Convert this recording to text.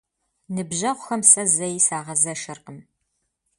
Ныбжьэгъухэм сэ зэи сагъэзэшыркъым.